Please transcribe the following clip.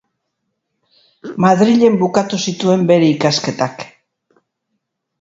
Madrilen bukatu zituen bere ikasketak.